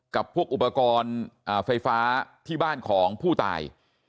กับพวกอุปกรณ์ไฟฟ้าที่บ้านของผู้ตาย